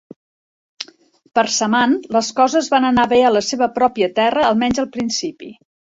Per Zaman, les coses van anar bé a la seva pròpia terra, almenys al principi.